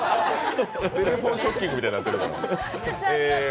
「テレフォンショッキング」みたいになってるから。